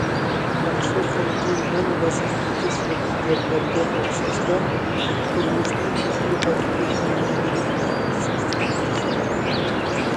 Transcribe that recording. ئاقسۇ خەلقى نان بازىرىدىكى سودىگەرلەرگە ئوخشاشلا، تۇرمۇشىنى تېخىمۇ بەختلىك ھەم مەنىلىك ئۆتكۈزۈش ئۈچۈن تىرىشىدۇ.